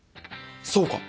そうか。